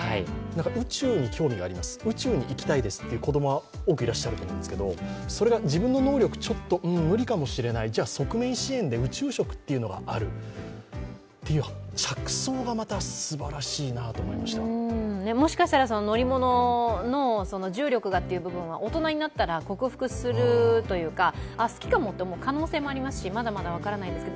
宇宙に興味があります、宇宙に行きたいですという子供はたくさんいると思うんですけどそれが自分の能力、ちょっと無理かもしれない、側面支援で宇宙食っていうのがあるっていう着想がまたすばらしいなともしかしたら乗り物の重力がっていう部分は大人になったら克服するというかあっ、好きかもと思う可能性もありますし、まだまだ分からないですし